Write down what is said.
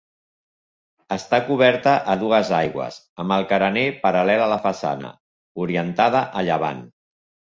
Està coberta a dues aigües amb el carener paral·lel a la façana, orientada a llevant.